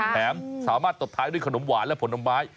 แถมสามารถตกท้ายด้วยขนมหวานและผลน้ำไม้